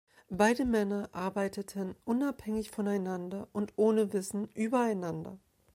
Beide Männer arbeiteten unabhängig voneinander und ohne Wissen übereinander.